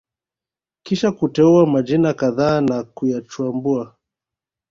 kisha kuteua majina kadhaa na kuyachambua